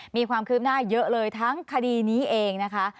มีความคืบหน้าเยอะเลยทั้งคดีนี้เองนะคะ